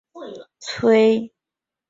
催乳藤为夹竹桃科醉魂藤属的植物。